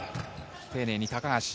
丁寧に高橋。